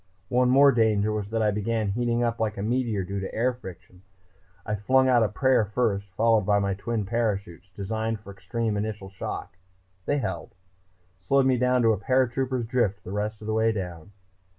One more danger was that I began heating up like a meteor due to air friction. I flung out a prayer first, followed by my twin parachutes, designed for extreme initial shock. They held. Slowed me to a paratrooper's drift the rest of the way down."